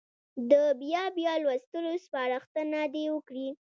د بیا بیا لوستلو سپارښتنه دې وکړي.